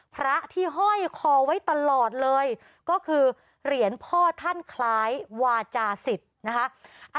พระที่ห้อยคอไว้ตลอดเลยก็คือเหรียญพ่อท่านคล้ายวาจาศิษย์นะคะ